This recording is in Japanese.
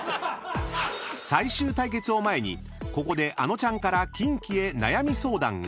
［最終対決を前にここであのちゃんからキンキへ悩み相談が］